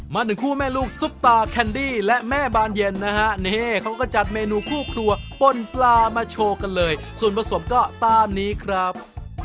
มาถึงคู่แม่ลูกซุปตาแคนดี้และแม่บานเย็นนะฮะนี่เขาก็จัดเมนูคู่ครัวปนปลามาโชว์กันเลยส่วนผสมก็ตามนี้ครับ